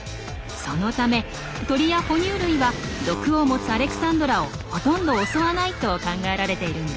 そのため鳥や哺乳類は毒を持つアレクサンドラをほとんど襲わないと考えられているんです。